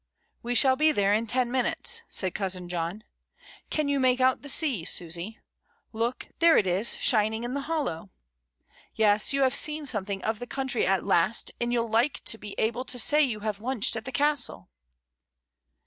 "We shall be there in ten minutes," said cousin John. "Can you make out the sea, Susy? Look, there it is shining in the hollow. Yes, you have seen something of the country at last, and you'll like to be able to say you have lunched at the Castle."